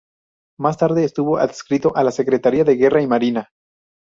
Más tarde estuvo adscrito a la Secretaría de Guerra y Marina.